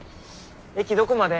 駅どこまで？